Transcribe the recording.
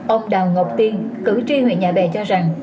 ông đào ngọc tiên cử tri huyện nhà bè cho rằng